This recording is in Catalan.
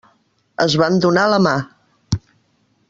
Es van donar la mà.